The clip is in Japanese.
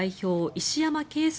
石山恵介